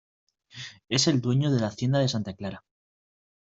Es el dueño de la hacienda de santa clara.